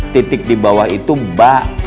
titik di bawah itu bak